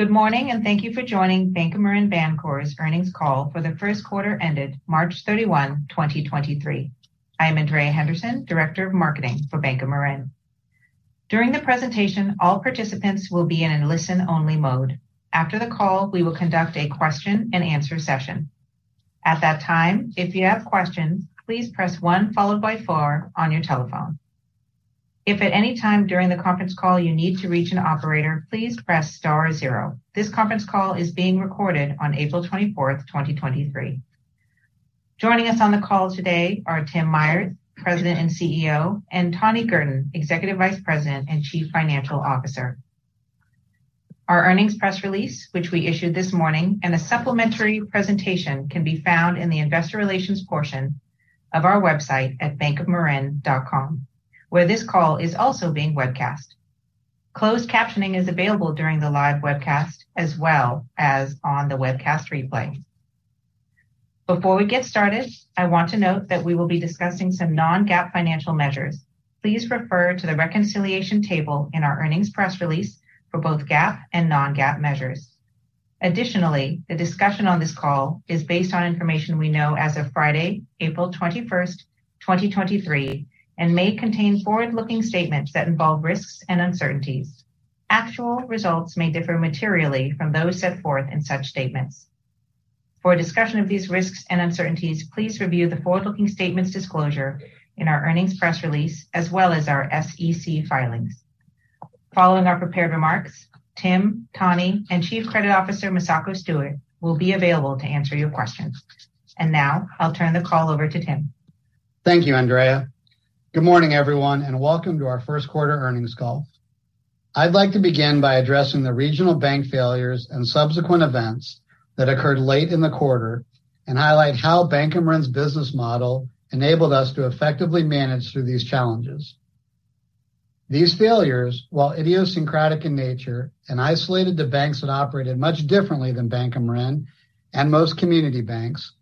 Good morning. Thank you for joining Bank of Marin Bancorp's earnings call for the first quarter ended March 31, 2023. I am Andrea Henderson, Director of Marketing for Bank of Marin. During the presentation, all participants will be in a listen only mode. After the call, we will conduct a question and answer session. At that time, if you have questions, please press one followed by four on your telephone. If at any time during the conference call you need to reach an operator, please press star zero. This conference call is being recorded on April 24, 2023. Joining us on the call today are Tim Myers, President and CEO, and Tani Girton, Executive Vice President and Chief Financial Officer. Our earnings press release, which we issued this morning, and a supplementary presentation can be found in the investor relations portion of our website at bankofmarin.com, where this call is also being webcast. Closed captioning is available during the live webcast as well as on the webcast replay. Before we get started, I want to note that we will be discussing some non-GAAP financial measures. Please refer to the reconciliation table in our earnings press release for both GAAP and non-GAAP measures. The discussion on this call is based on information we know as of Friday, April 21, 2023, and may contain forward-looking statements that involve risks and uncertainties. Actual results may differ materially from those set forth in such statements. For a discussion of these risks and uncertainties, please review the forward-looking statements disclosure in our earnings press release as well as our SEC filings. Following our prepared remarks, Tim, Tani, and Chief Credit Officer Misako Stewart will be available to answer your questions. Now I'll turn the call over to Tim. Thank you, Andrea. Good morning, everyone, and welcome to our first quarter earnings call. I'd like to begin by addressing the regional bank failures and subsequent events that occurred late in the quarter and highlight how Bank of Marin's business model enabled us to effectively manage through these challenges. These failures, while idiosyncratic in nature and isolated to banks that operated much differently than Bank of Marin and most community banks,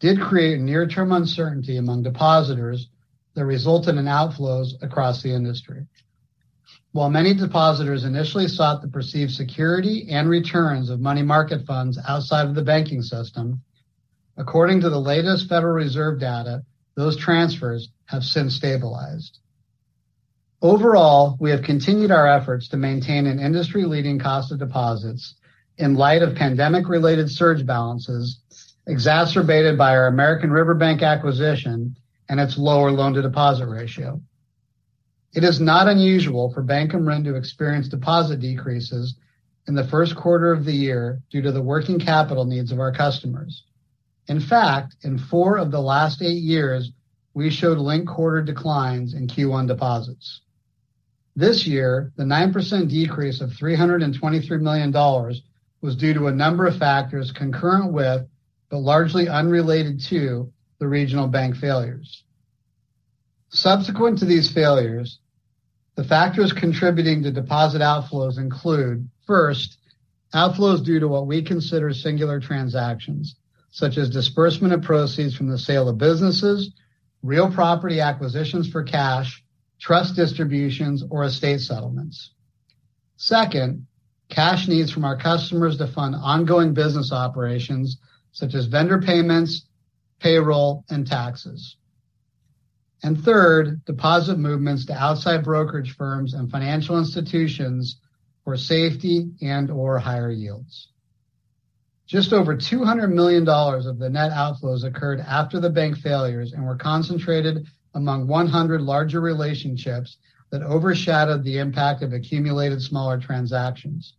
did create near-term uncertainty among depositors that resulted in outflows across the industry. While many depositors initially sought the perceived security and returns of money market funds outside of the banking system, according to the latest Federal Reserve data, those transfers have since stabilized. Overall, we have continued our efforts to maintain an industry-leading cost of deposits in light of pandemic related surge balances exacerbated by our American River Bank acquisition and its lower loan to deposit ratio. It is not unusual for Bank of Marin to experience deposit decreases in the first quarter of the year due to the working capital needs of our customers. In fact, in four of the last eight years, we showed linked quarter declines in Q1 deposits. This year, the 9% decrease of $323 million was due to a number of factors concurrent with, but largely unrelated to, the regional bank failures. Subsequent to these failures, the factors contributing to deposit outflows include, first, outflows due to what we consider singular transactions, such as disbursement of proceeds from the sale of businesses, real property acquisitions for cash, trust distributions, or estate settlements. Second, cash needs from our customers to fund ongoing business operations such as vendor payments, payroll, and taxes. Third, deposit movements to outside brokerage firms and financial institutions for safety and/or higher yields. Just over $200 million of the net outflows occurred after the bank failures and were concentrated among 100 larger relationships that overshadowed the impact of accumulated smaller transactions.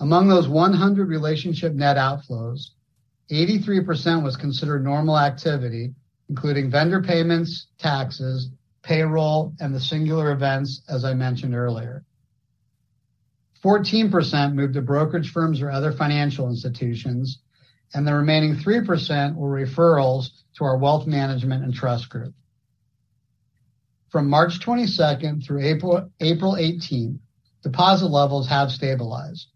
Among those 100 relationship net outflows, 83% was considered normal activity, including vendor payments, taxes, payroll, and the singular events, as I mentioned earlier. 14% moved to brokerage firms or other financial institutions, and the remaining 3% were referrals to our wealth management and trust group. From March 22nd through April 18th, deposit levels have stabilized.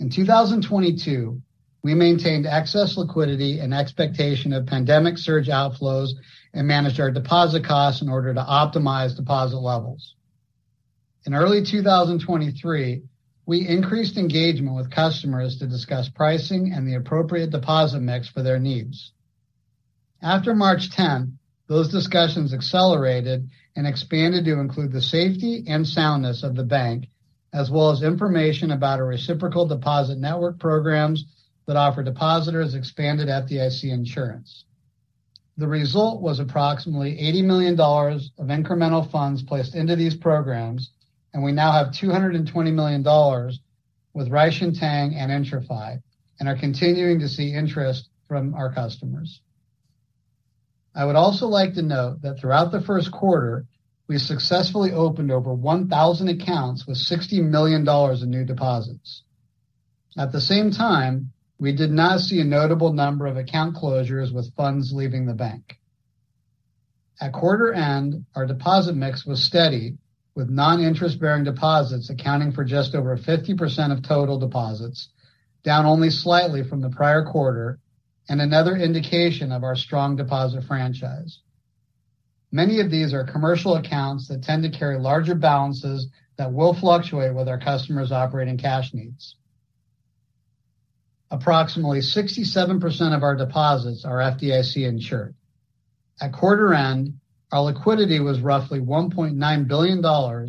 In 2022, we maintained excess liquidity in expectation of pandemic surge outflows and managed our deposit costs in order to optimize deposit levels. In early 2023, we increased engagement with customers to discuss pricing and the appropriate deposit mix for their needs. After March 10th, those discussions accelerated and expanded to include the safety and soundness of the bank, as well as information about our reciprocal deposit network programs that offer depositors expanded FDIC insurance. The result was approximately $80 million of incremental funds placed into these programs, and we now have $220 million with Reich & Tang and IntraFi and are continuing to see interest from our customers. I would also like to note that throughout the first quarter, we successfully opened over 1,000 accounts with $60 million in new deposits. At the same time, we did not see a notable number of account closures with funds leaving the bank. At quarter end, our deposit mix was steady with non-interest bearing deposits accounting for just over 50% of total deposits, down only slightly from the prior quarter and another indication of our strong deposit franchise. Many of these are commercial accounts that tend to carry larger balances that will fluctuate with our customers' operating cash needs. Approximately 67% of our deposits are FDIC insured. At quarter end, our liquidity was roughly $1.9 billion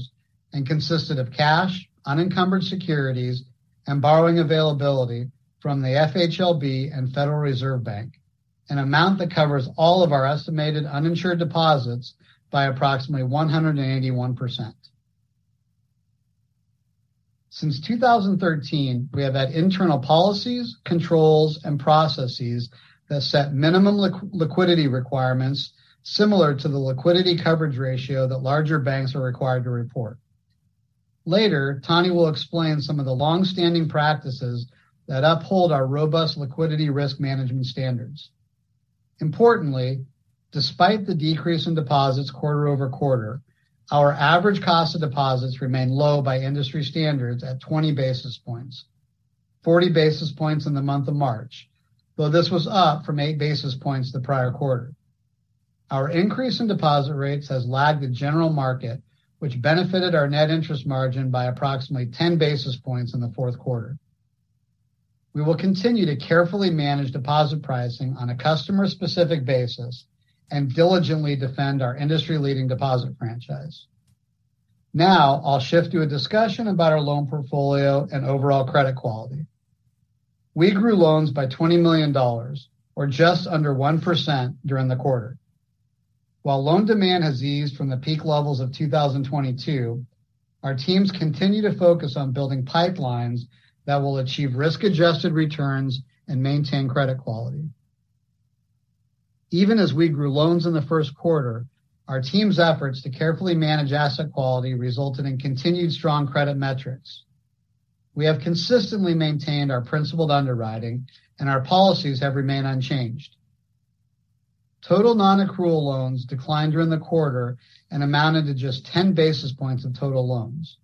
and consisted of cash, unencumbered securities, and borrowing availability from the FHLB and Federal Reserve Bank, an amount that covers all of our estimated uninsured deposits by approximately 181%. Since 2013, we have had internal policies, controls, and processes that set minimum liquidity requirements similar to the Liquidity Coverage Ratio that larger banks are required to report. Later, Tani will explain some of the long-standing practices that uphold our robust liquidity risk management standards. Importantly, despite the decrease in deposits quarter-over-quarter, our average cost of deposits remained low by industry standards at 20 basis points. 40 basis points in the month of March, though this was up from 8 basis points the prior quarter. Our increase in deposit rates has lagged the general market, which benefited our net interest margin by approximately 10 basis points in the fourth quarter. We will continue to carefully manage deposit pricing on a customer-specific basis and diligently defend our industry-leading deposit franchise. I'll shift to a discussion about our loan portfolio and overall credit quality. We grew loans by $20 million or just under 1% during the quarter. While loan demand has eased from the peak levels of 2022, our teams continue to focus on building pipelines that will achieve risk-adjusted returns and maintain credit quality. Even as we grew loans in the first quarter, our team's efforts to carefully manage asset quality resulted in continued strong credit metrics. We have consistently maintained our principled underwriting and our policies have remained unchanged. Total non-accrual loans declined during the quarter and amounted to just 10 basis points of total loans.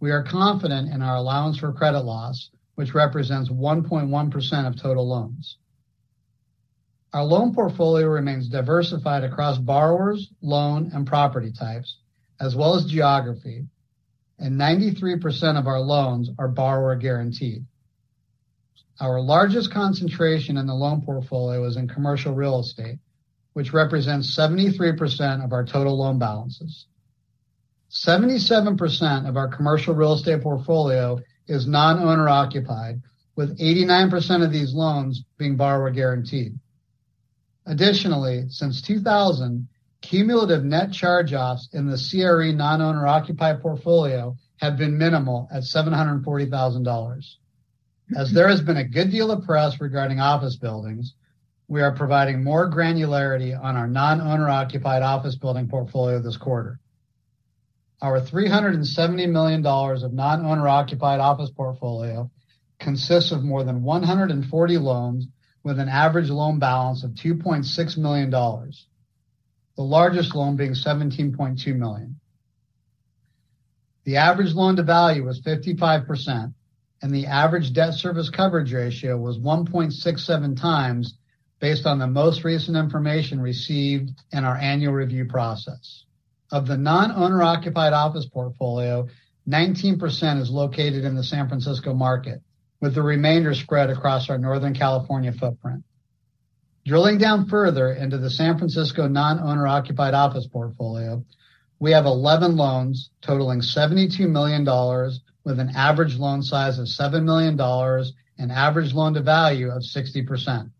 We are confident in our allowance for credit loss, which represents 1.1% of total loans. Our loan portfolio remains diversified across borrowers, loan, and property types, as well as geography, and 93% of our loans are borrower-guaranteed. Our largest concentration in the loan portfolio is in commercial real estate, which represents 73% of our total loan balances. 77% of our commercial real estate portfolio is non-owner-occupied, with 89% of these loans being borrower guaranteed. Additionally, since 2000, cumulative net charge-offs in the CRE non-owner-occupied portfolio have been minimal at $740,000. As there has been a good deal of press regarding office buildings, we are providing more granularity on our non-owner-occupied office building portfolio this quarter. Our $370 million of non-owner-occupied office portfolio consists of more than 140 loans with an average loan balance of $2.6 million. The largest loan being $17.2 million. The average loan-to-value was 55%, and the average debt service coverage ratio was 1.67 times based on the most recent information received in our annual review process. Of the non-owner-occupied office portfolio, 19% is located in the San Francisco market, with the remainder spread across our Northern California footprint. Drilling down further into the San Francisco non-owner-occupied office portfolio, we have 11 loans totaling $72 million with an average loan size of $7 million and average loan-to-value of 60%.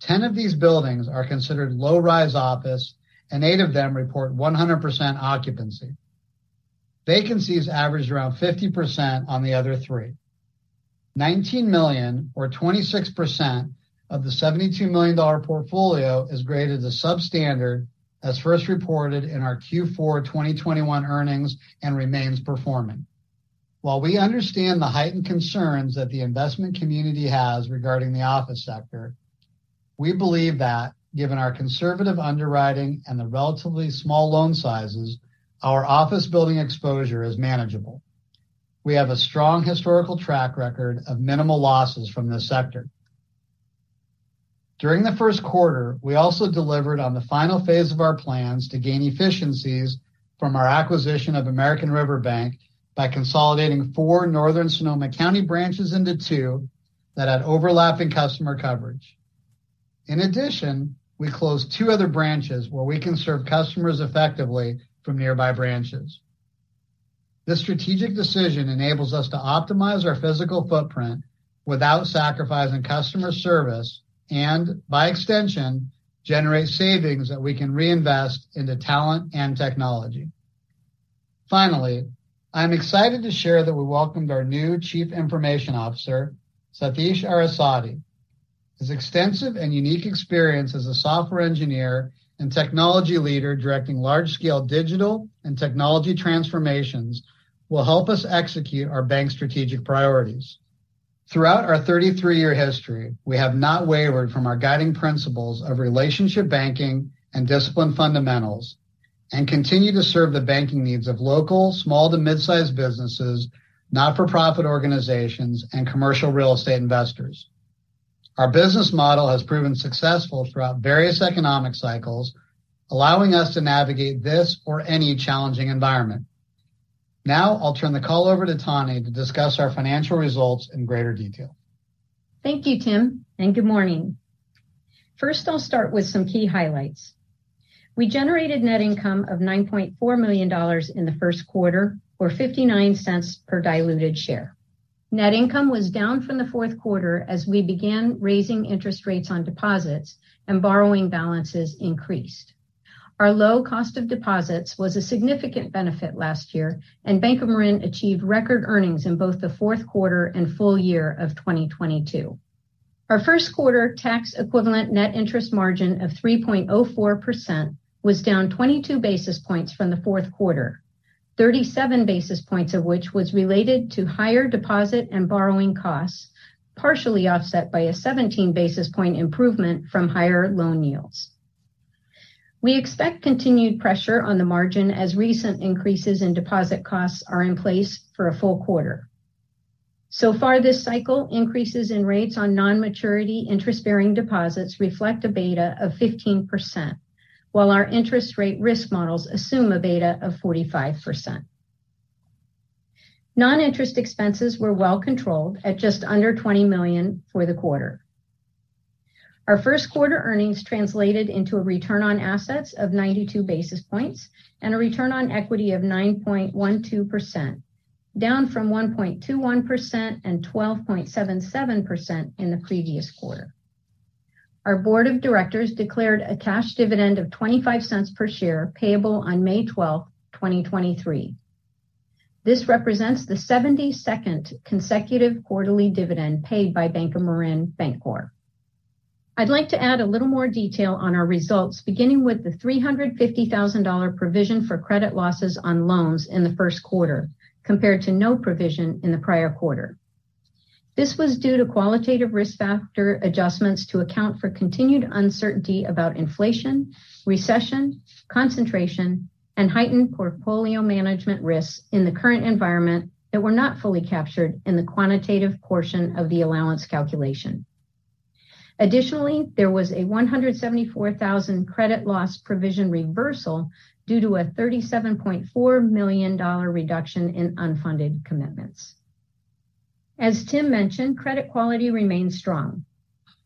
10 of these buildings are considered low-rise office and eight of them report 100% occupancy. Vacancies averaged around 50% on the other three. $19 million or 26% of the $72 million portfolio is graded as substandard as first reported in our Q4 2021 earnings and remains performing. While we understand the heightened concerns that the investment community has regarding the office sector, we believe that given our conservative underwriting and the relatively small loan sizes, our office building exposure is manageable. We have a strong historical track record of minimal losses from this sector. During the 1st quarter, we also delivered on the final phase of our plans to gain efficiencies from our acquisition of American River Bank by consolidating four northern Sonoma County branches into two that had overlapping customer coverage. We closed two other branches where we can serve customers effectively from nearby branches. This strategic decision enables us to optimize our physical footprint without sacrificing customer service, and by extension, generate savings that we can reinvest into talent and technology. I'm excited to share that we welcomed our new Chief Information Officer, Sathish Arasadi. His extensive and unique experience as a software engineer and technology leader directing large-scale digital and technology transformations will help us execute our bank's strategic priorities. Throughout our 33-year history, we have not wavered from our guiding principles of relationship banking and disciplined fundamentals, and continue to serve the banking needs of local, small to mid-size businesses, not-for-profit organizations, and commercial real estate investors. Our business model has proven successful throughout various economic cycles, allowing us to navigate this or any challenging environment. Now I'll turn the call over to Tani to discuss our financial results in greater detail. Thank you, Tim. Good morning. First, I'll start with some key highlights. We generated net income of $9.4 million in the first quarter, or $0.59 per diluted share. Net income was down from the fourth quarter as we began raising interest rates on deposits and borrowing balances increased. Our low cost of deposits was a significant benefit last year, and Bank of Marin achieved record earnings in both the fourth quarter and full year of 2022. Our first quarter tax equivalent net interest margin of 3.04% was down 22 basis points from the fourth quarter, 37 basis points of which was related to higher deposit and borrowing costs, partially offset by a 17 basis point improvement from higher loan yields. We expect continued pressure on the margin as recent increases in deposit costs are in place for a full quarter. Far, this cycle increases in rates on non-maturity interest-bearing deposits reflect a beta of 15%, while our interest rate risk models assume a beta of 45%. Non-interest expenses were well controlled at just under $20 million for the quarter. Our first quarter earnings translated into a return on assets of 92 basis points and a return on equity of 9.12%, down from 1.21% and 12.77% in the previous quarter. Our board of directors declared a cash dividend of $0.25 per share payable on May 12, 2023. This represents the 72nd consecutive quarterly dividend paid by Bank of Marin Bancorp. I'd like to add a little more detail on our results, beginning with the $350,000 provision for credit losses on loans in the first quarter compared to no provision in the prior quarter. This was due to qualitative risk factor adjustments to account for continued uncertainty about inflation, recession, concentration, and heightened portfolio management risks in the current environment that were not fully captured in the quantitative portion of the allowance calculation. There was a $174,000 credit loss provision reversal due to a $37.4 million reduction in unfunded commitments. As Tim mentioned, credit quality remains strong.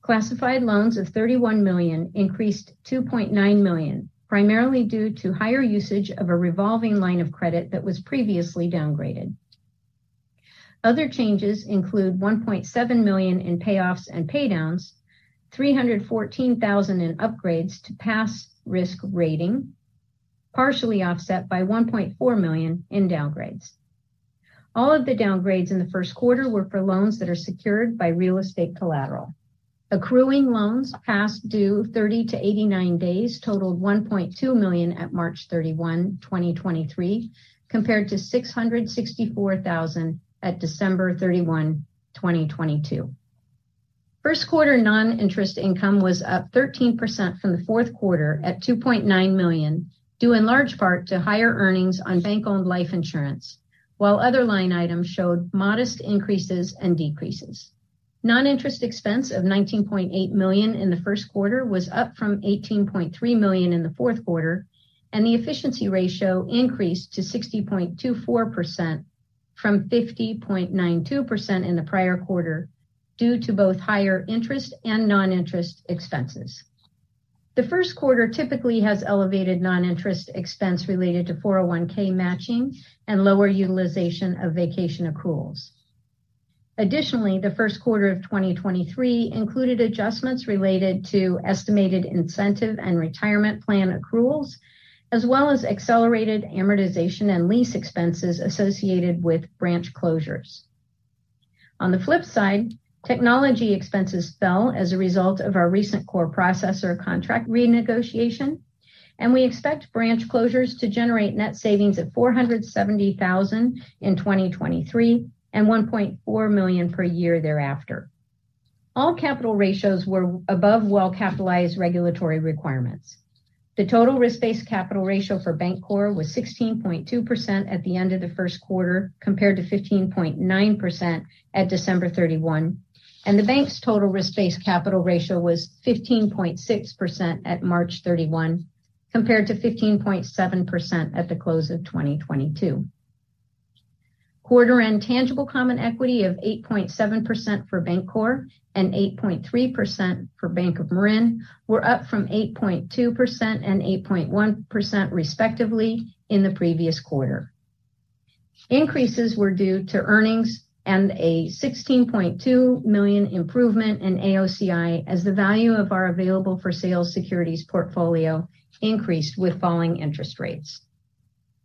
Classified loans of $31 million increased $2.9 million, primarily due to higher usage of a revolving line of credit that was previously downgraded. Other changes include $1.7 million in payoffs and pay downs, $314,000 in upgrades to pass risk rating, partially offset by $1.4 million in downgrades. All of the downgrades in the first quarter were for loans that are secured by real estate collateral. Accruing loans past due 30 to 89 days totaled $1.2 million at March 31, 2023, compared to $664,000 at December 31, 2022. First quarter non-interest income was up 13% from the fourth quarter at $2.9 million, due in large part to higher earnings on bank-owned life insurance, while other line items showed modest increases and decreases. Non-interest expense of $19.8 million in the first quarter was up from $18.3 million in the fourth quarter. The efficiency ratio increased to 60.24% from 50.92% in the prior quarter due to both higher interest and non-interest expenses. The first quarter typically has elevated non-interest expense related to 401(k) matching and lower utilization of vacation accruals. The first quarter of 2023 included adjustments related to estimated incentive and retirement plan accruals, as well as accelerated amortization and lease expenses associated with branch closures. Technology expenses fell as a result of our recent core processor contract renegotiation, and we expect branch closures to generate net savings of $470,000 in 2023 and $1.4 million per year thereafter. All capital ratios were above well-capitalized regulatory requirements. The total risk-based capital ratio for Bancorp was 16.2% at the end of the first quarter, compared to 15.9% at December 31, and the bank's total risk-based capital ratio was 15.6% at March 31, compared to 15.7% at the close of 2022. Quarter-end tangible common equity of 8.7% for Bancorp and 8.3% for Bank of Marin were up from 8.2% and 8.1%, respectively, in the previous quarter. Increases were due to earnings and a $16.2 million improvement in AOCI as the value of our available-for-sale securities portfolio increased with falling interest rates.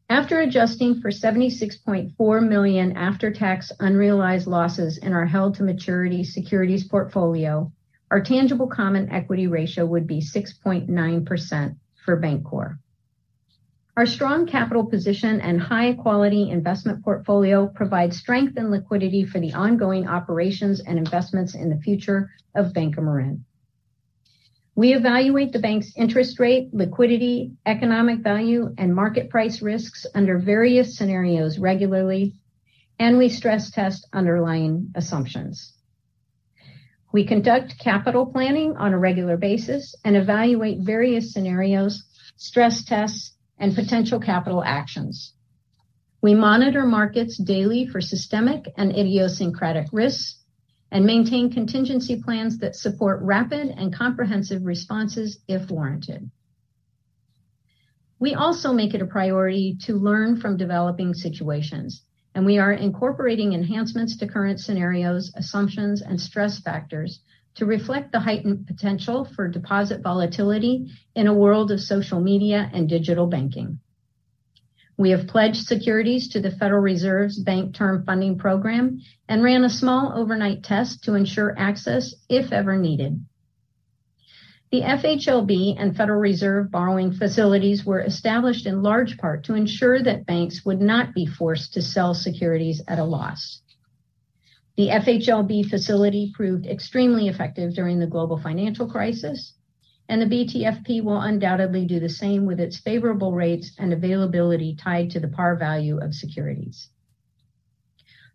After adjusting for $76.4 million after-tax unrealized losses in our held to maturity securities portfolio, our tangible common equity ratio would be 6.9% for Bancorp. Our strong capital position and high-quality investment portfolio provide strength and liquidity for the ongoing operations and investments in the future of Bank of Marin. We evaluate the bank's interest rate, liquidity, economic value, and market price risks under various scenarios regularly, and we stress test underlying assumptions. We conduct capital planning on a regular basis and evaluate various scenarios, stress tests, and potential capital actions. We monitor markets daily for systemic and idiosyncratic risks and maintain contingency plans that support rapid and comprehensive responses if warranted. We also make it a priority to learn from developing situations, and we are incorporating enhancements to current scenarios, assumptions, and stress factors to reflect the heightened potential for deposit volatility in a world of social media and digital banking. We have pledged securities to the Federal Reserve's Bank Term Funding Program and ran a small overnight test to ensure access if ever needed. The FHLB and Federal Reserve borrowing facilities were established in large part to ensure that banks would not be forced to sell securities at a loss. The FHLB facility proved extremely effective during the global financial crisis, and the BTFP will undoubtedly do the same with its favorable rates and availability tied to the par value of securities.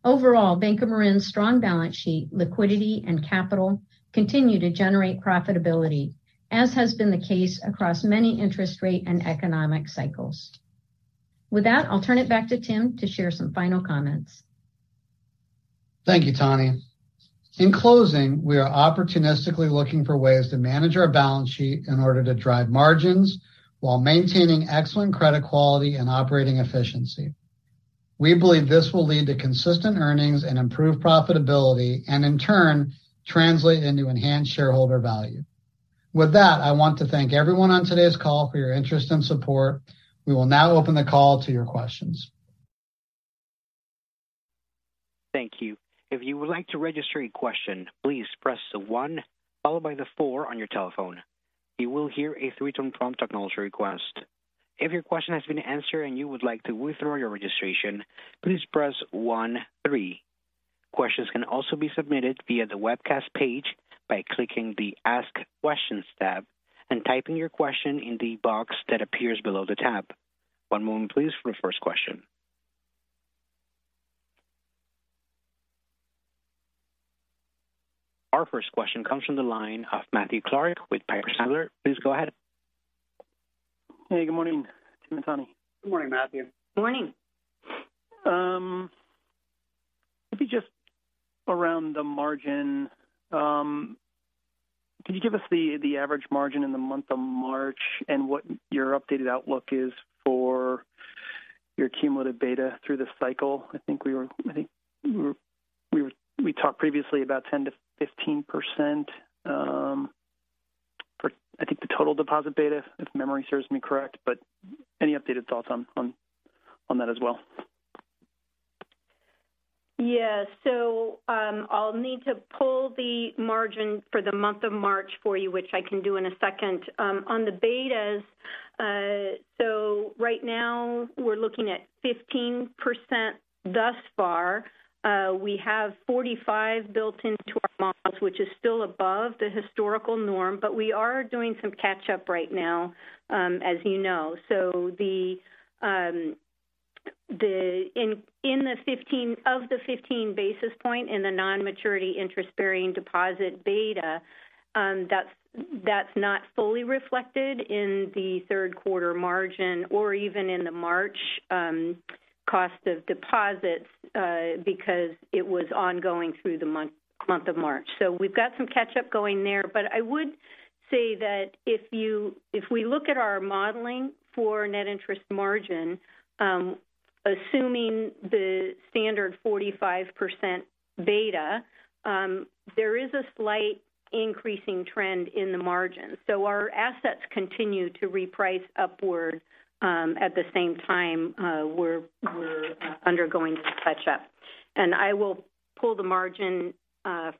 Overall, Bank of Marin's strong balance sheet, liquidity, and capital continue to generate profitability, as has been the case across many interest rate and economic cycles. With that, I'll turn it back to Tim to share some final comments. Thank you, Tani. In closing, we are opportunistically looking for ways to manage our balance sheet in order to drive margins while maintaining excellent credit quality and operating efficiency. We believe this will lead to consistent earnings and improved profitability and in turn translate into enhanced shareholder value. With that, I want to thank everyone on today's call for your interest and support. We will now open the call to your questions. Thank you. If you would like to register a question, please press the one followed by the four on your telephone. You will hear a three tone prompt acknowledging your request. If your question has been answered and you would like to withdraw your registration, please press one three. Questions can also be submitted via the webcast page by clicking the Ask Questions tab and typing your question in the box that appears below the tab. One moment, please, for the first question. Our first question comes from the line of Matthew Clark with Piper Sandler. Please go ahead. Hey, good morning, Tim and Tani. Good morning, Matthew. Morning. If you just around the margin, could you give us the average margin in the month of March and what your updated outlook is for your cumulative beta through the cycle? We talked previously about 10%-15% for I think the total deposit beta, if memory serves me correct. Any updated thoughts on, on that as well? Yeah. I'll need to pull the margin for the month of March for you, which I can do in a second. On the betas, right now we're looking at 15% thus far. We have 45 built into our models, which is still above the historical norm, but we are doing some catch up right now, you know. Of the 15 basis point in the non-maturity interest-bearing deposit beta, that's not fully reflected in the third quarter margin or even in the March cost of deposits, because it was ongoing through the month of March. We've got some catch up going there. I would say that if we look at our modeling for net interest margin, assuming the standard 45% beta, there is a slight increasing trend in the margin. Our assets continue to reprice upward, at the same time, we're undergoing some catch up. I will pull the margin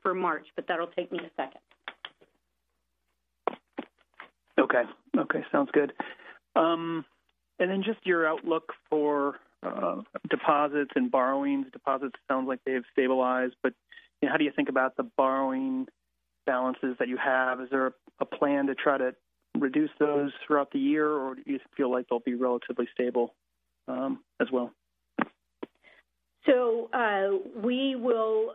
for March, that'll take me a second. Okay. Okay, sounds good. Just your outlook for deposits and borrowings. Deposits sounds like they have stabilized, but, you know, how do you think about the borrowing balances that you have? Is there a plan to try to reduce those throughout the year, or do you feel like they'll be relatively stable as well?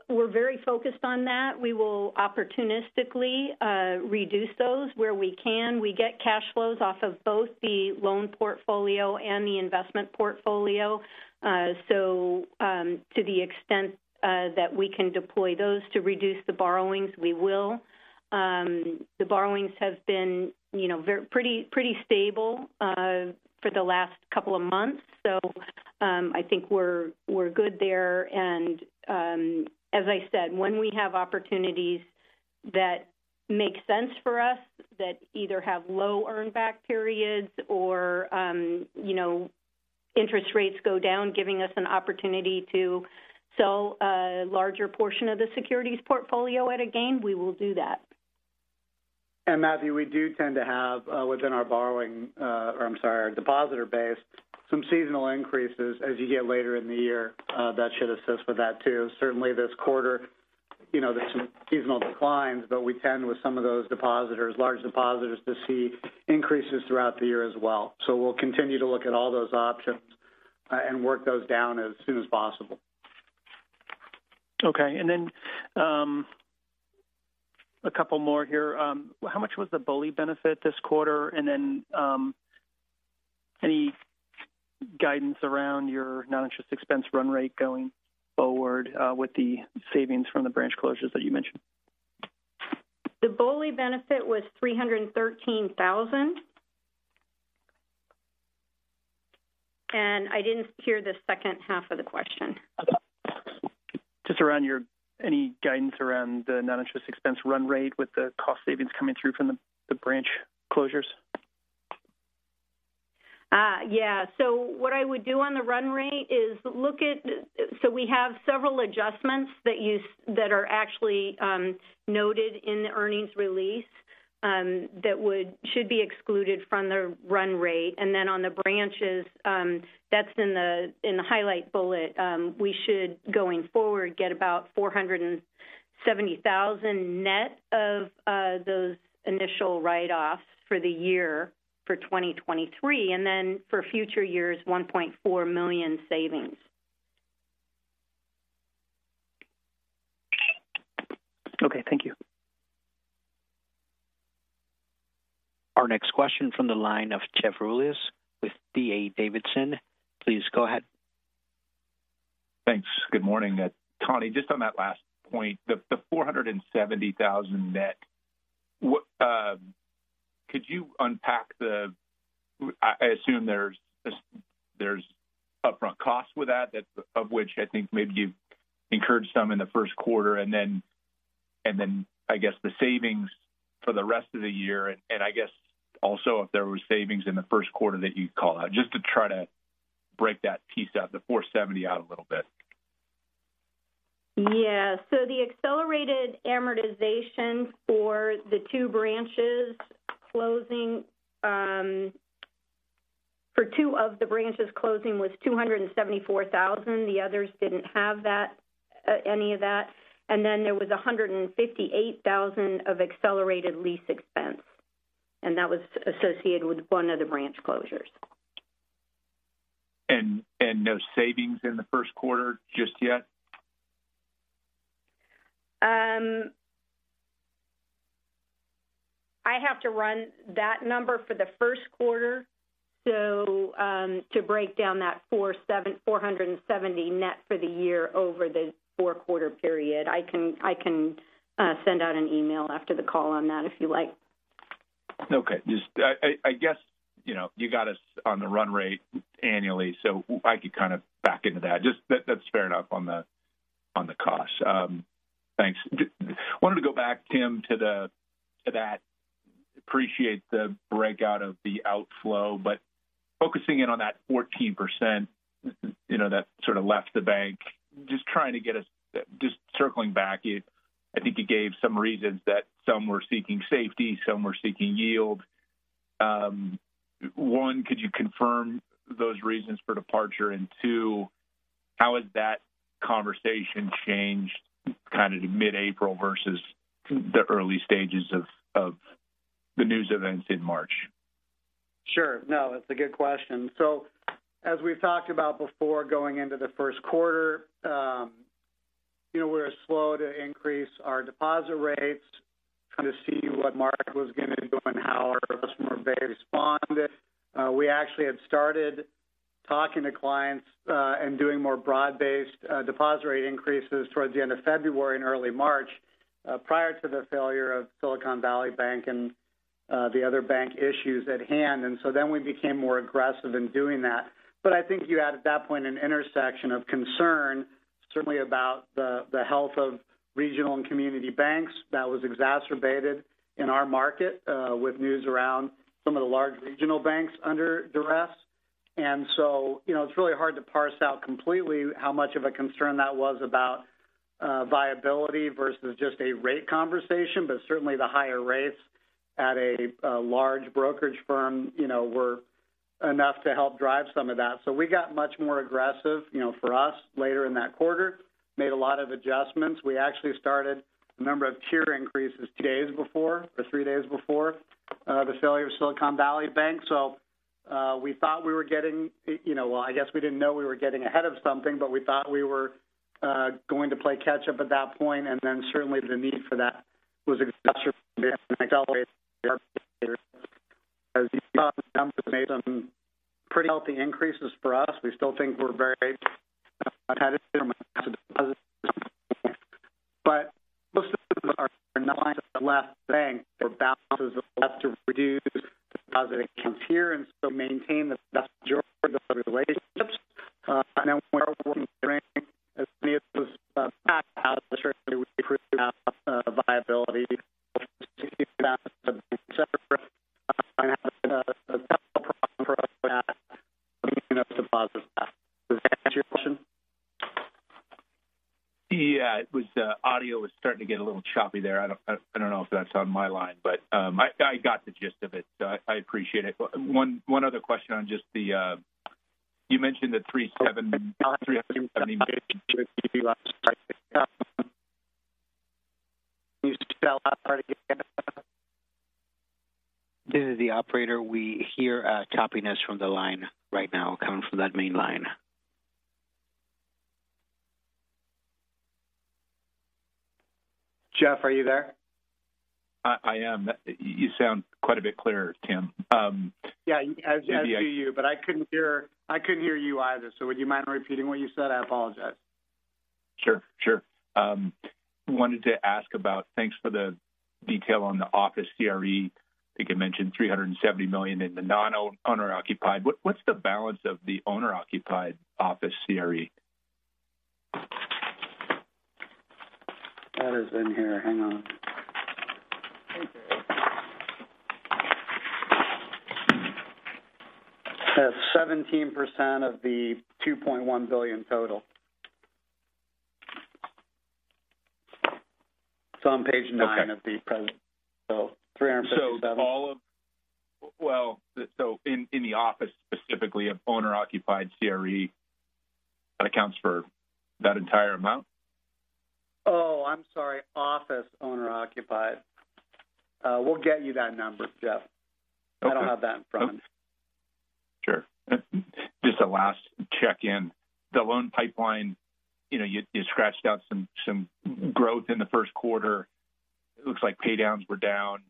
We're very focused on that. We will opportunistically reduce those where we can. We get cash flows off of both the loan portfolio and the investment portfolio. To the extent that we can deploy those to reduce the borrowings, we will. The borrowings have been, you know, pretty stable for the last couple of months. I think we're good there. As I said, when we have opportunities that make sense for us, that either have low earn back periods or, you know, interest rates go down, giving us an opportunity to sell a larger portion of the securities portfolio at a gain, we will do that. Matthew, we do tend to have, within our borrowing, or I'm sorry, our depositor base Some seasonal increases as you get later in the year, that should assist with that too. Certainly this quarter, you know, there's some seasonal declines, but we tend with some of those depositors, large depositors to see increases throughout the year as well. We'll continue to look at all those options, and work those down as soon as possible. Okay. A couple more here. How much was the BOLI benefit this quarter? Any guidance around your non-interest expense run rate going forward with the savings from the branch closures that you mentioned? The BOLI benefit was $313,000. I didn't hear the second half of the question. Just any guidance around the non-interest expense run rate with the cost savings coming through from the branch closures? Yeah. What I would do on the run rate is look at... We have several adjustments that are actually noted in the earnings release that should be excluded from the run rate. On the branches, that's in the highlight bullet, we should, going forward, get about $470,000 net of those initial write-offs for the year for 2023. For future years, $1.4 million savings. Okay, thank you. Our next question from the line of Jeff Rulis with D.A. Davidson. Please go ahead. Thanks. Good morning. Tani, just on that last point, the $470,000 net, what, could you unpack the... I assume there's upfront costs with that of which I think maybe you've incurred some in the first quarter. Then I guess the savings for the rest of the year, and I guess also if there was savings in the first quarter that you'd call out, just to try to break that piece out, the $470 out a little bit. Yeah. The accelerated amortization for the two branches closing, for two of the branches closing was $274,000. The others didn't have that, any of that. There was $158,000 of accelerated lease expense, and that was associated with one of the branch closures. No savings in the first quarter just yet? I have to run that number for the first quarter, so, to break down that $470 net for the year over the 4-quarter period. I can send out an email after the call on that if you like. I guess, you know, you got us on the run rate annually, so I could kind of back into that. Just that's fair enough on the, on the cost. Thanks. Wanted to go back, Tim, to that. Appreciate the breakout of the outflow, but focusing in on that 14%, you know, that sort of left the bank. Circling back, I think you gave some reasons that some were seeking safety, some were seeking yield. One, could you confirm those reasons for departure? Two, how has that conversation changed kind of mid-April versus the early stages of the news events in March? Sure. No, that's a good question. As we've talked about before going into the first quarter, you know, we're slow to increase our deposit rates, kind of see what market was gonna do and how our customer base responded. We actually had started talking to clients and doing more broad-based deposit rate increases towards the end of February and early March, prior to the failure of Silicon Valley Bank and the other bank issues at hand. Then we became more aggressive in doing that. I think you had, at that point, an intersection of concern, certainly about the health of regional and community banks that was exacerbated in our market, with news around some of the large regional banks under duress. You know, it's really hard to parse out completely how much of a concern that was about viability versus just a rate conversation. The higher rates at a large brokerage firm, you know, were enough to help drive some of that. We got much more aggressive, you know, for us later in that quarter, made a lot of adjustments. We actually started a number of tier increases days before or three days before the failure of Silicon Valley Bank. We thought we were getting, you know. Well, I guess we didn't know we were getting ahead of something, but we thought we were going to play catch up at that point. The need for that was exaggerated made some pretty healthy increases for us. We still think we're very competitive from a deposit standpoint. Most of our clients have left the bank or balances have left to reduce deposit accounts here, and so maintain the best relationships. Then we're working to bring as many of those back out, certainly we improve our viability. Does that answer your question? It was, audio was starting to get a little choppy there. I don't know if that's on my line, but I got the gist of it, so I appreciate it. One other question on just the, you mentioned the three-seven This is the operator. We hear a choppiness from the line right now coming from that main line. Jeff, are you there? I am. You sound quite a bit clearer, Tim. Yeah, as do you. I couldn't hear you either. Would you mind repeating what you said? I apologize. Sure. Sure. wanted to ask about thanks for the detail on the office CRE. I think you mentioned $370 million in the non-owner-occupied. What's the balance of the owner-occupied office CRE? That is in here. Hang on. That's 17% of the $2.1 billion total. It's on page 9- Okay. Of the present. 357. Well, in the office, specifically owner-occupied CRE, that accounts for that entire amount? Oh, I'm sorry. Office owner-occupied. We'll get you that number, Jeff. Okay. I don't have that in front. Sure. Just a last check-in. The loan pipeline, you know, you scratched out some growth in the first quarter. It looks like pay downs were down.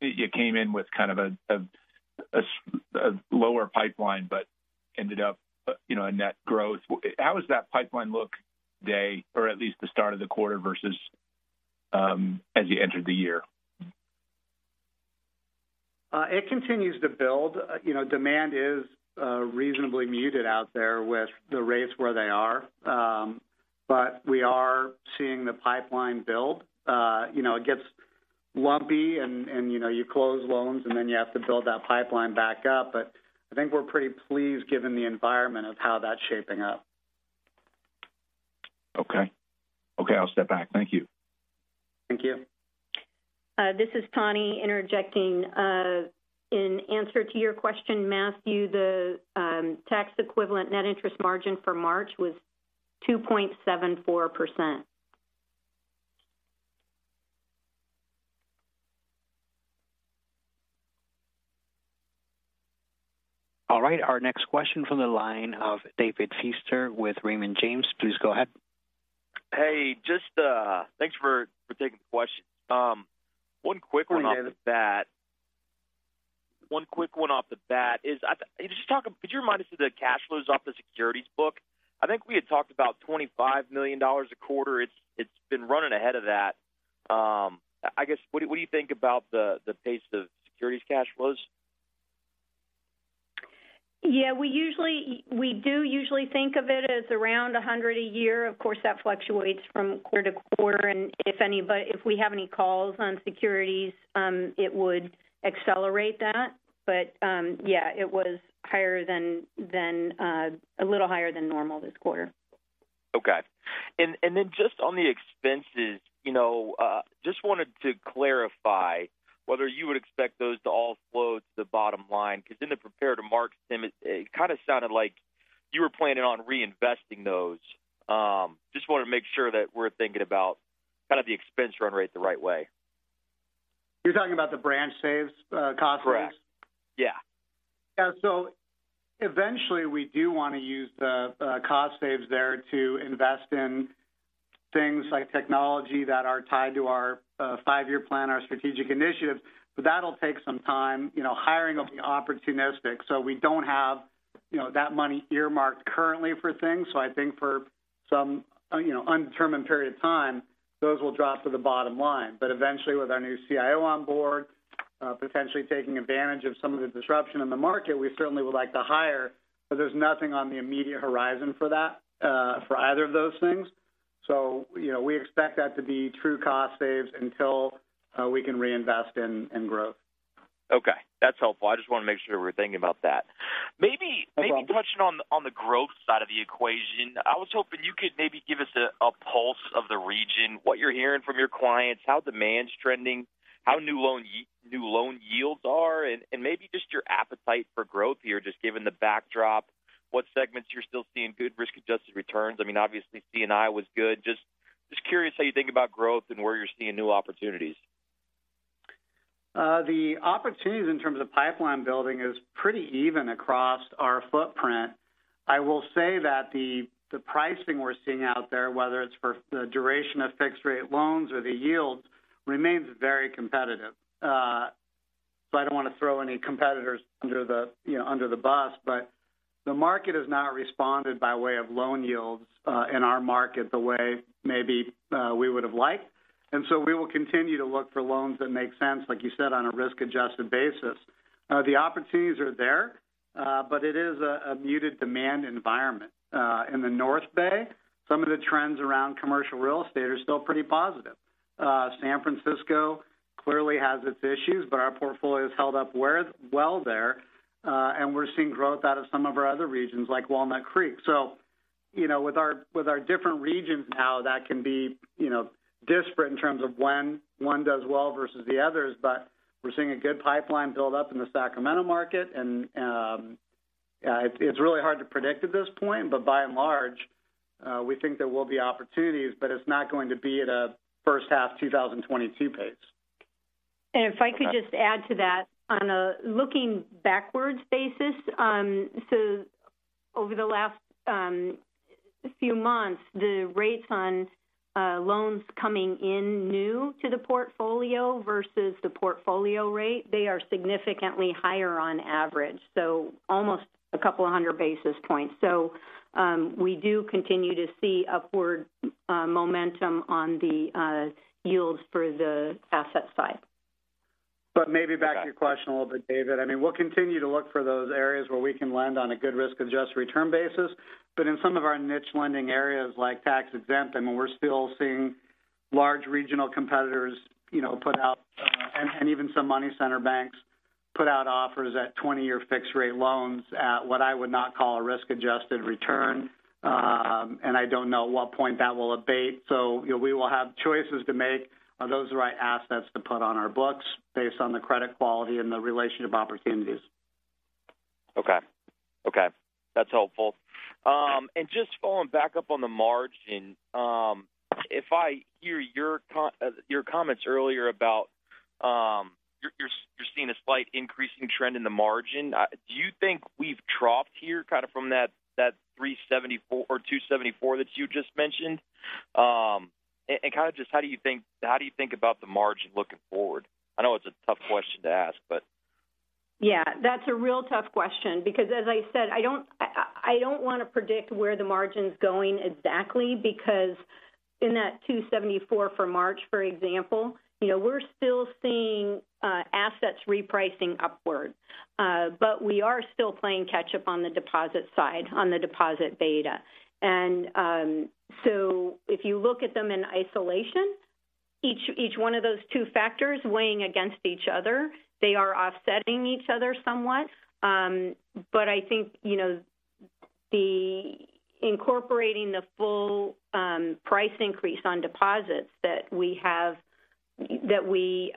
You came in with kind of a lower pipeline, but ended up, you know, a net growth. How does that pipeline look today or at least the start of the quarter versus as you entered the year? It continues to build. You know, demand is reasonably muted out there with the rates where they are. We are seeing the pipeline build. You know, it gets lumpy and, you know, you close loans, and then you have to build that pipeline back up. I think we're pretty pleased given the environment of how that's shaping up. Okay. Okay, I'll step back. Thank you. Thank you. This is Tani interjecting. In answer to your question, Matthew, the tax equivalent net interest margin for March was 2.74%. All right, our next question from the line of David Feaster with Raymond James. Please go ahead. Hey, just thanks for taking the question. One quick one off the bat is, could you remind us of the cash flows off the securities book? I think we had talked about $25 million a quarter. It's been running ahead of that. I guess, what do you think about the pace of securities cash flows? We do usually think of it as around $100 a year. Of course, that fluctuates from quarter to quarter. If we have any calls on securities, it would accelerate that. It was higher than a little higher than normal this quarter. Okay. Then just on the expenses, you know, just wanted to clarify whether you would expect those to all flow to the bottom line because in the prepared remarks it kind of sounded like you were planning on reinvesting those. Just want to make sure that we're thinking about kind of the expense run rate the right way. You're talking about the branch saves, cost saves? Correct. Yeah. Eventually, we do want to use the cost saves there to invest in things like technology that are tied to our five-year plan, our strategic initiatives. That'll take some time. You know, hiring will be opportunistic. We don't have, you know, that money earmarked currently for things. I think for some, you know, undetermined period of time, those will drop to the bottom line. Eventually, with our new CIO on board, potentially taking advantage of some of the disruption in the market, we certainly would like to hire, but there's nothing on the immediate horizon for that, for either of those things. You know, we expect that to be true cost saves until we can reinvest in growth. Okay. That's helpful. I just want to make sure we're thinking about that. No problem. Maybe touching on the growth side of the equation. I was hoping you could maybe give us a pulse of the region, what you're hearing from your clients, how demand's trending, how new loan yields are, and maybe just your appetite for growth here, just given the backdrop, what segments you're still seeing good risk-adjusted returns. I mean, obviously C&I was good. Just curious how you think about growth and where you're seeing new opportunities. The opportunities in terms of pipeline building is pretty even across our footprint. I will say that the pricing we're seeing out there, whether it's for the duration of fixed rate loans or the yields remains very competitive. So I don't want to throw any competitors under the, you know, under the bus, but the market has not responded by way of loan yields in our market the way maybe we would have liked. So we will continue to look for loans that make sense, like you said, on a risk-adjusted basis. The opportunities are there, but it is a muted demand environment. In the North Bay, some of the trends around commercial real estate are still pretty positive. San Francisco clearly has its issues, but our portfolio has held up worth-well there. We're seeing growth out of some of our other regions like Walnut Creek. You know, with our, with our different regions now that can be, you know, disparate in terms of when one does well versus the others. We're seeing a good pipeline build up in the Sacramento market. Yeah, it's really hard to predict at this point, but by and large, we think there will be opportunities, but it's not going to be at a first half 2022 pace. If I could just add to that. On a looking backwards basis, over the last few months, the rates on loans coming in new to the portfolio versus the portfolio rate, they are significantly higher on average, so almost 200 basis points. We do continue to see upward momentum on the yields for the asset side. Maybe back to your question a little bit, David Feaster. I mean, we'll continue to look for those areas where we can lend on a good risk-adjusted return basis. In some of our niche lending areas like tax-exempt, I mean, we're still seeing large regional competitors, you know, put out, and even some money center banks put out offers at 20-year fixed rate loans at what I would not call a risk-adjusted return. I don't know at what point that will abate. You know, we will have choices to make. Are those the right assets to put on our books based on the credit quality and the relationship opportunities? Okay. Okay. That's helpful. Just following back up on the margin. If I hear your comments earlier about, you're seeing a slight increasing trend in the margin. Do you think we've troughed here kind of from that 374 or 274 that you just mentioned? Kind of just how do you think about the margin looking forward? I know it's a tough question to ask, but. Yeah, that's a real tough question because as I said, I don't want to predict where the margin's going exactly because in that 274% for March, for example, you know, we're still seeing assets repricing upward. We are still playing catch up on the deposit side, on the deposit beta. If you look at them in isolation, each one of those two factors weighing against each other, they are offsetting each other somewhat. I think, you know, the incorporating the full price increase on deposits that we have that we,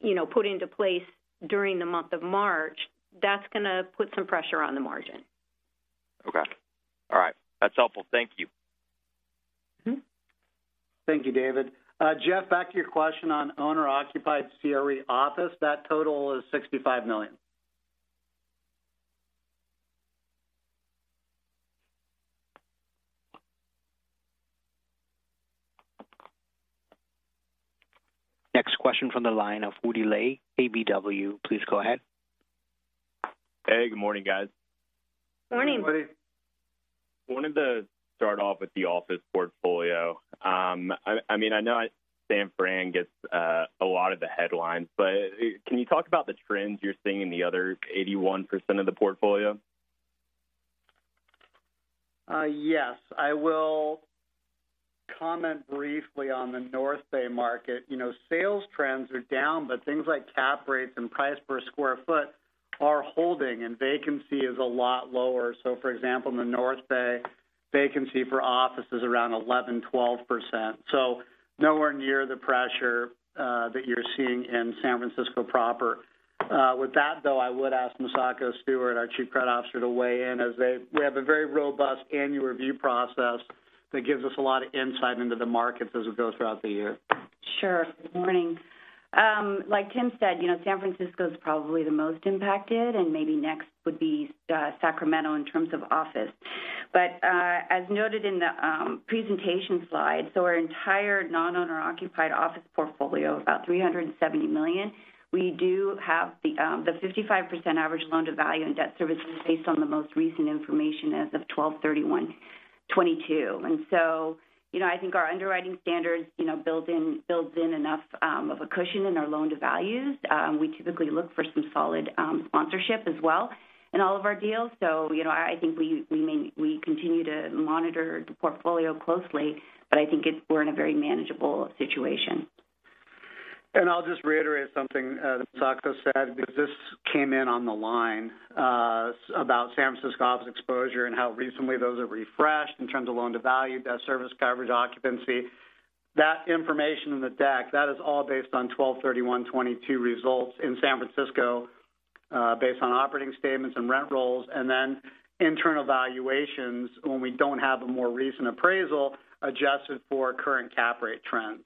you know, put into place during the month of March, that's going to put some pressure on the margin. Okay. All right. That's helpful. Thank you. Mm-hmm. Thank you, David. Jeff, back to your question on owner-occupied CRE office. That total is $65 million. Next question from the line of Woody Lay, KBW. Please go ahead. Hey, good morning, guys. Morning. Good morning. Wanted to start off with the office portfolio. I mean, I know San Fran gets a lot of the headlines, but can you talk about the trends you're seeing in the other 81% of the portfolio? Yes, I will comment briefly on the North Bay market. You know, sales trends are down, but things like cap rates and price per square foot are holding and vacancy is a lot lower. For example, in the North Bay, vacancy for office is around 11%, 12%. Nowhere near the pressure that you're seeing in San Francisco proper. With that, though, I would ask Misako Stewart, our Chief Credit Officer, to weigh in as we have a very robust annual review process that gives us a lot of insight into the markets as we go throughout the year. Sure. Morning. Like Tim said, you know, San Francisco is probably the most impacted, and maybe next would be Sacramento in terms of office. As noted in the presentation slide, our entire non-owner occupied office portfolio of about $370 million, we do have the 55% average loan-to-value and debt service is based on the most recent information as of 12/31/2022. I think our underwriting standards, you know, builds in enough of a cushion in our loan-to-values. We typically look for some solid sponsorship as well in all of our deals. I think we continue to monitor the portfolio closely, but I think we're in a very manageable situation. I'll just reiterate something Misako said, because this came in on the line, about San Francisco office exposure and how recently those are refreshed in terms of loan-to-value, debt service coverage, occupancy. That information in the deck, that is all based on 12/31/2022 results in San Francisco, based on operating statements and rent rolls, and then internal valuations when we don't have a more recent appraisal adjusted for current cap rate trends.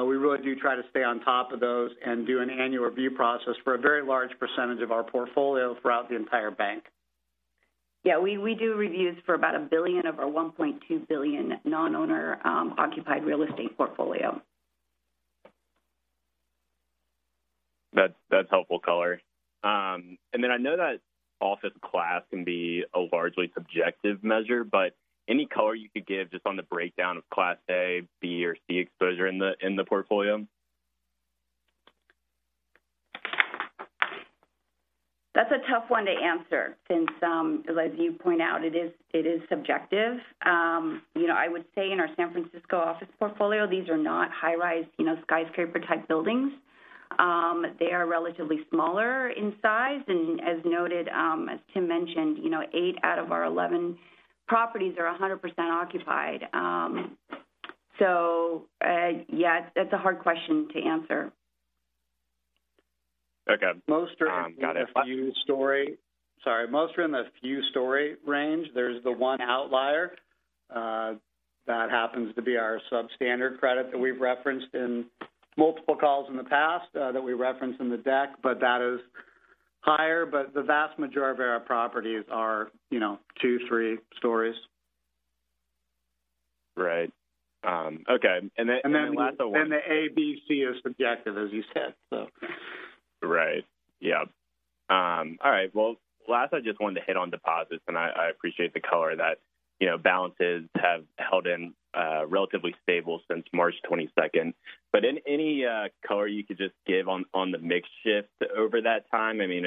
We really do try to stay on top of those and do an annual review process for a very large percentage of our portfolio throughout the entire Bank. Yeah, we do reviews for about $1 billion of our $1.2 billion non-owner, occupied real estate portfolio. That's helpful color. Then I know that office class can be a largely subjective measure, but any color you could give just on the breakdown of Class A, B, or C exposure in the portfolio? That's a tough one to answer since, as you point out, it is subjective. You know, I would say in our San Francisco office portfolio, these are not high-rise, you know, skyscraper type buildings. They are relatively smaller in size. As noted, as Tim Myers mentioned, you know, eight out of our 11 properties are 100% occupied. Yeah, that's a hard question to answer. Okay. Most Got it. A few story. Sorry. Most are in a few story range. There's the one outlier, that happens to be our substandard credit that we've referenced in multiple calls in the past, that we referenced in the deck, but that is higher. The vast majority of our properties are, you know, two, three stories. Right. Okay. The A, B, C are subjective, as you said, so. Right. Yeah. Well, last, I just wanted to hit on deposits, and I appreciate the color that, you know, balances have held in relatively stable since March 22nd. Any color you could just give on the mix shift over that time? I mean,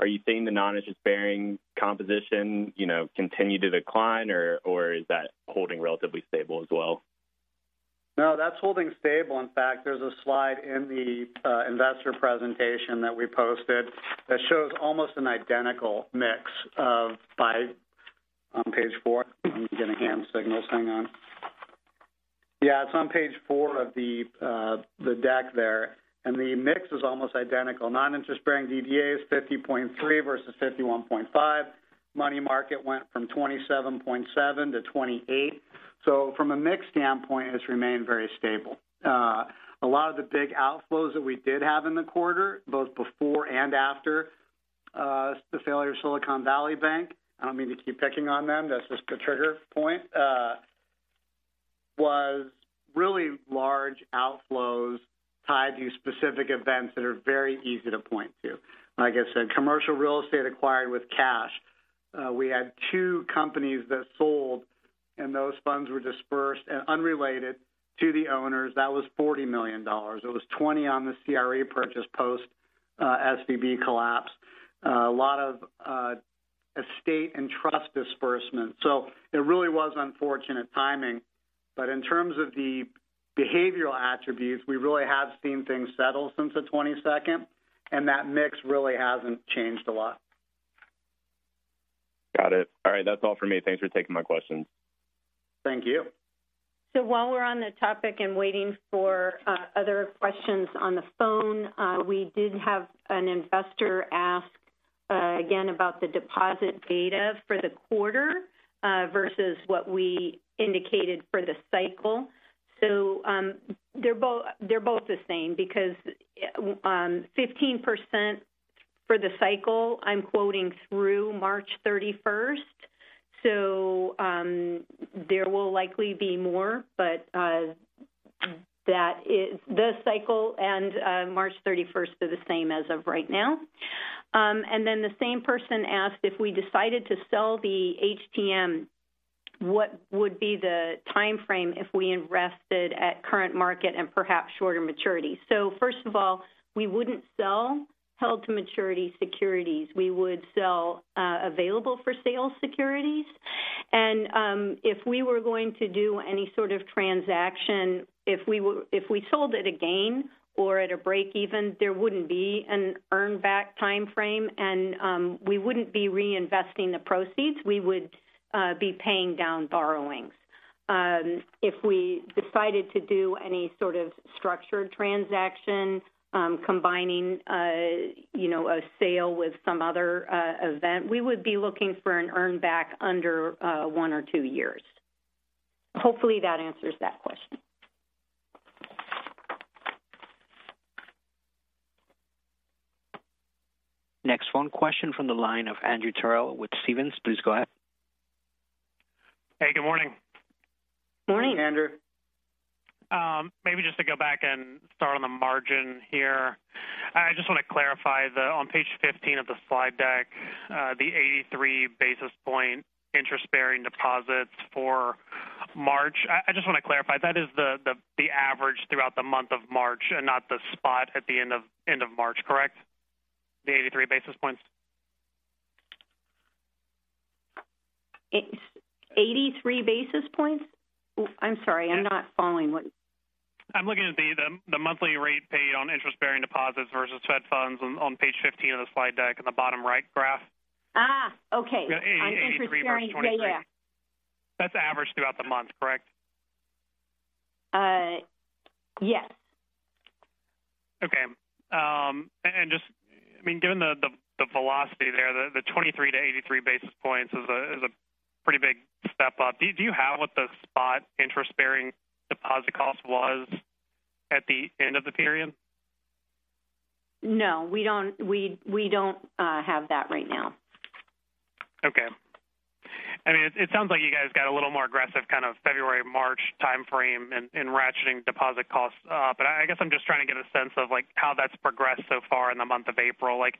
are you seeing the non-interest bearing composition, you know, continue to decline, or is that holding relatively stable as well? No, that's holding stable. In fact, there's a slide in the investor presentation that we posted that shows almost an identical mix of by... on page four. I'm getting hand signals. Hang on. Yeah, it's on page four of the deck there. The mix is almost identical. Non-interest bearing DDA is 50.3 versus 51.5. Money market went from 27.7 to 28. From a mix standpoint, it's remained very stable. A lot of the big outflows that we did have in the quarter, both before and after the failure of Silicon Valley Bank, I don't mean to keep picking on them, that's just the trigger point, was really large outflows tied to specific events that are very easy to point to. Like I said, commercial real estate acquired with cash. We had two companies that sold, and those funds were dispersed and unrelated to the owners. That was $40 million. It was $20 million on the CRE purchase post SVB collapse. A lot of estate and trust disbursement. It really was unfortunate timing. In terms of the behavioral attributes, we really have seen things settle since the 22nd, and that mix really hasn't changed a lot. Got it. All right. That's all for me. Thanks for taking my questions. Thank you. While we're on the topic and waiting for other questions on the phone, we did have an investor ask again about the deposit data for the quarter versus what we indicated for the cycle. They're both the same because 15% for the cycle, I'm quoting through March 31st. There will likely be more. The cycle and March 31st are the same as of right now. The same person asked if we decided to sell the HTM, what would be the timeframe if we invested at current market and perhaps shorter maturity? First of all, we wouldn't sell held to maturity securities. We would sell available for sale securities. If we were going to do any sort of transaction, if we sold at a gain or at a break even, there wouldn't be an earn back timeframe and we wouldn't be reinvesting the proceeds. We would be paying down borrowings. If we decided to do any sort of structured transaction, combining, you know, a sale with some other event, we would be looking for an earn back under one or two years. Hopefully, that answers that question. Next one, question from the line of Andrew Terrell with Stephens. Please go ahead. Hey, good morning. Morning. Morning, Andrew. Maybe just to go back and start on the margin here. I just want to clarify on page 15 of the slide deck, the 83 basis point interest-bearing deposits for March. I just want to clarify, that is the average throughout the month of March and not the spot at the end of March, correct? The 83 basis points. 883 basis points? Oh, I'm sorry. I'm not following what- I'm looking at the monthly rate paid on interest-bearing deposits versus Fed funds on page 15 of the slide deck in the bottom right graph. Okay. Yeah. On interest-bearing. 83 versus 23. Yeah, yeah. That's average throughout the month, correct? Yes. Okay. I mean, given the velocity there, the 23-83 basis points is a pretty big step up. Do you have what the spot interest-bearing deposit cost was at the end of the period? No, we don't, we don't have that right now. I mean, it sounds like you guys got a little more aggressive kind of February, March timeframe in ratcheting deposit costs up. I guess I'm just trying to get a sense of, like, how that's progressed so far in the month of April. Like,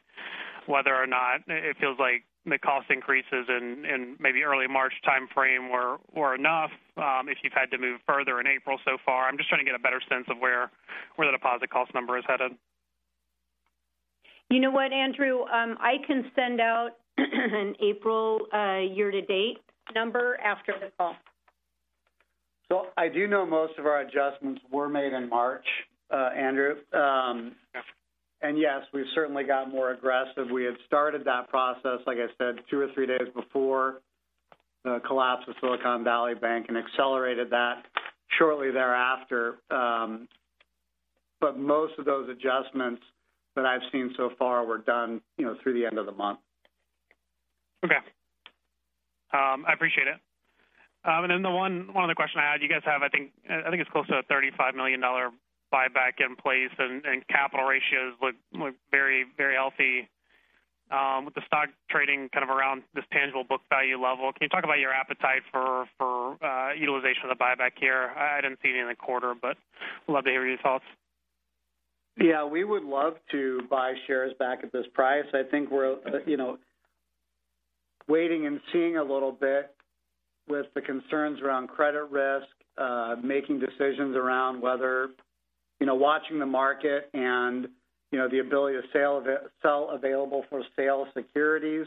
whether or not it feels like the cost increases in maybe early March timeframe were enough, if you've had to move further in April so far. I'm just trying to get a better sense of where the deposit cost number is headed. You know what, Andrew? I can send out an April year-to-date number after the call. I do know most of our adjustments were made in March, Andrew. Yes, we've certainly got more aggressive. We had started that process, like I said, two or three days before the collapse of Silicon Valley Bank and accelerated that shortly thereafter. Most of those adjustments that I've seen so far were done, you know, through the end of the month. Okay. I appreciate it. The one other question I had. You guys have, I think it's close to a $35 million buyback in place and capital ratios look very, very healthy. With the stock trading kind of around this tangible book value level, can you talk about your appetite for utilization of the buyback here? I didn't see it in the quarter, but love to hear your thoughts. We would love to buy shares back at this price. I think we're, you know, waiting and seeing a little bit with the concerns around credit risk. Making decisions around whether, you know, watching the market and, you know, the ability to sell available for sale securities.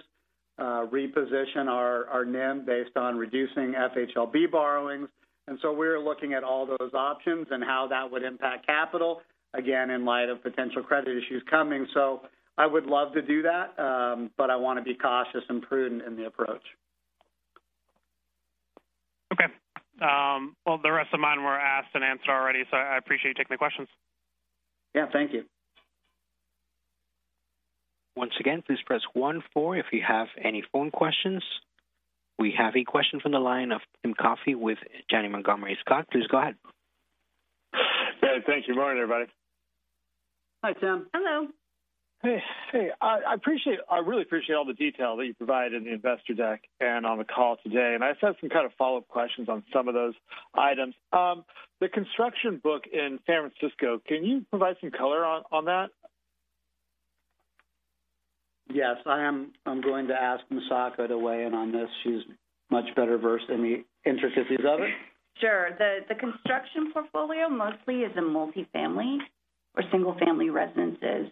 Reposition our NIM based on reducing FHLB borrowings. We're looking at all those options and how that would impact capital, again, in light of potential credit issues coming. I would love to do that, but I want to be cautious and prudent in the approach. Okay. Well, the rest of mine were asked and answered already, so I appreciate you taking the questions. Yeah. Thank you. Once again, please press one-four if you have any phone questions. We have a question from the line of Timothy Coffey with Janney Montgomery Scott. Please go ahead. Yeah, thank you. Morning, everybody. Hi, Tim. Hello. Hey. Hey. I really appreciate all the detail that you provided in the investor deck and on the call today, and I just have some kind of follow-up questions on some of those items. The construction book in San Francisco, can you provide some color on that? Yes, I am. I'm going to ask Misako to weigh in on this. She's much better versed in the intricacies of it. Sure. The construction portfolio mostly is a multifamily or single family residences.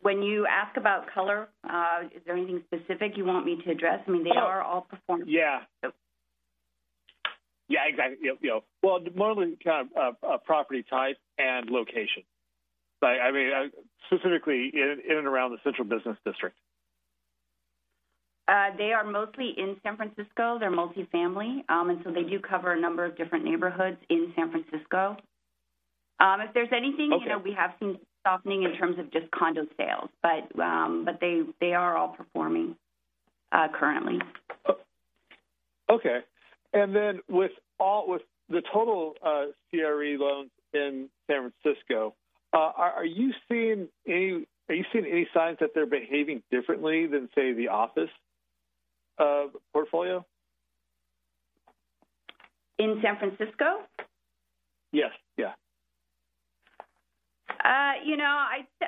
When you ask about color, is there anything specific you want me to address? I mean, they are all performing. Yeah. Exactly. Yep. Well, more than kind of property type and location. Like, I mean, specifically in and around the Central Business District. They are mostly in San Francisco. They're multifamily. They do cover a number of different neighborhoods in San Francisco. Okay. You know, we have seen softening in terms of just condo sales. But they are all performing currently. Okay. Then with the total CRE loans in San Francisco, are you seeing any signs that they're behaving differently than, say, the office portfolio? In San Francisco? Yes. Yeah. You know,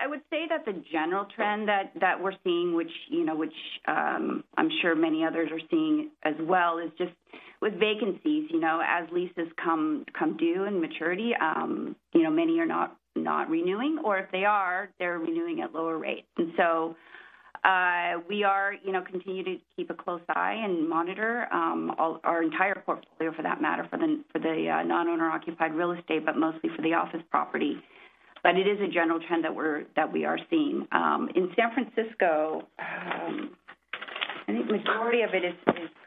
I would say that the general trend that we're seeing, which, you know, which I'm sure many others are seeing as well, is just with vacancies. You know, as leases come due in maturity, you know, many are not renewing. Or if they are, they're renewing at lower rates. We are, you know, continue to keep a close eye and monitor our entire portfolio for that matter, for the non-owner occupied real estate, but mostly for the office property. But it is a general trend that we are seeing. In San Francisco, I think majority of it is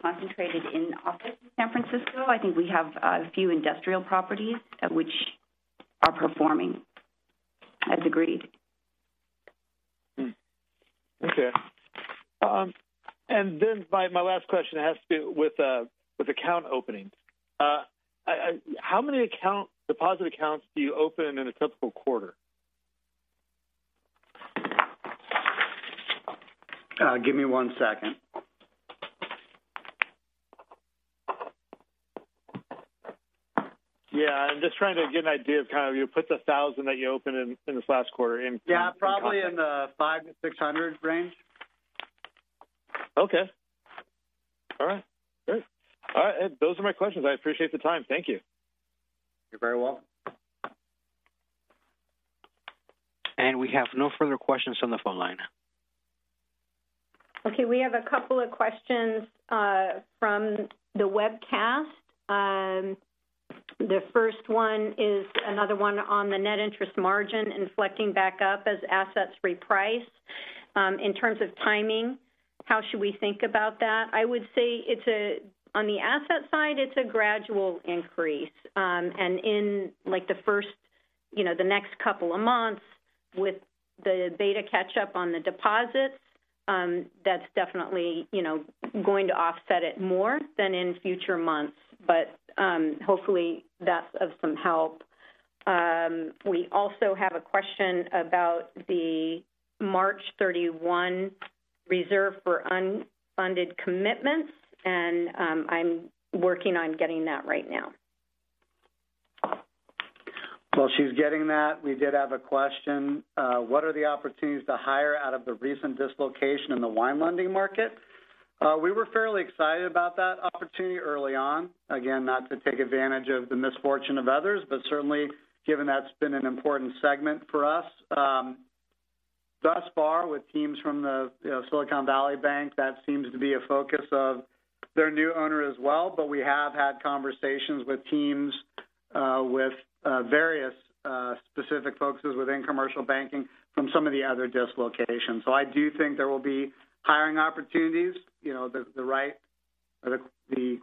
concentrated in office in San Francisco. I think we have a few industrial properties which are performing as agreed. Okay. My last question has to do with account openings. How many deposit accounts do you open in a typical quarter? Give me one second. Yeah. I'm just trying to get an idea of kind of you put the 1,000 that you opened in this last quarter in-? Yeah, probably in the 500-600 range. Okay. All right, great. All right. Those are my questions. I appreciate the time. Thank you. You're very welcome. We have no further questions on the phone line. We have a couple of questions from the webcast. The first one is another one on the net interest margin inflecting back up as assets reprice. In terms of timing, how should we think about that? I would say on the asset side, it's a gradual increase. In like the first, you know, the next couple of months with the beta catch up on the deposits, that's definitely, you know, going to offset it more than in future months. Hopefully that's of some help. We also have a question about the March 31 reserve for unfunded commitments, and I'm working on getting that right now. While she's getting that, we did have a question. What are the opportunities to hire out of the recent dislocation in the wine lending market? We were fairly excited about that opportunity early on. Again, not to take advantage of the misfortune of others, but certainly given that's been an important segment for us. Thus far with teams from the, you know, Silicon Valley Bank, that seems to be a focus of their new owner as well. We have had conversations with teams, with various specific focuses within commercial banking from some of the other dislocations. I do think there will be hiring opportunities. You know, the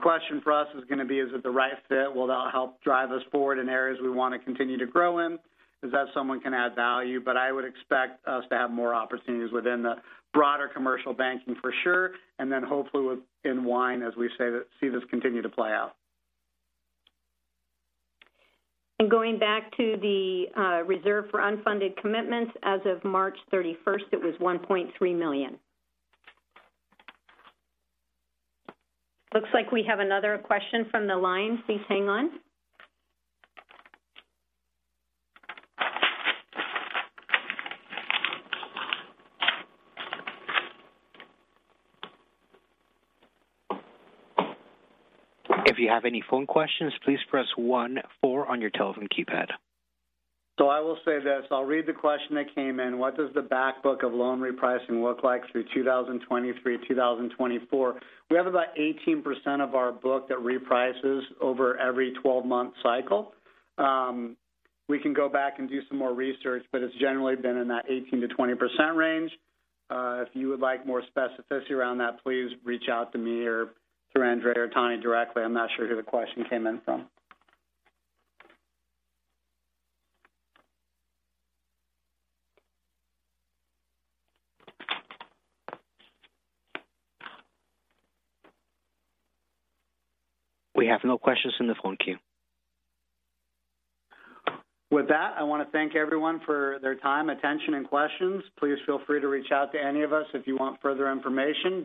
question for us is gonna be, is it the right fit? Will that help drive us forward in areas we wanna continue to grow in? Is that someone can add value? I would expect us to have more opportunities within the broader commercial banking for sure, and then hopefully with in wine as we see this continue to play out. Going back to the reserve for unfunded commitments, as of March 31st, it was $1.3 million. Looks like we have another question from the line. Please hang on. If you have any phone questions, please press one four on your telephone keypad. I will say this. I'll read the question that came in. What does the back book of loan repricing look like through 2023, 2024? We have about 18% of our book that reprices over every 12-month cycle. We can go back and do some more research, but it's generally been in that 18%-20% range. If you would like more specificity around that, please reach out to me or to Andre or Tony directly. I'm not sure who the question came in from. We have no questions in the phone queue. With that, I want to thank everyone for their time, attention, and questions. Please feel free to reach out to any of us if you want further information.